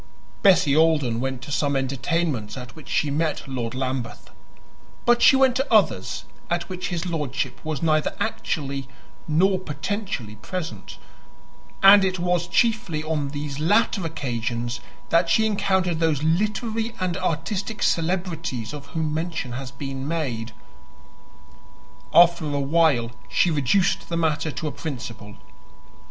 Bessie Alden went to some entertainments at which she met Lord Lambeth; but she went to others at which his lordship was neither actually nor potentially present; and it was chiefly on these latter occasions that she encountered those literary and artistic celebrities of whom mention has been made. After a while she reduced the matter to a principle.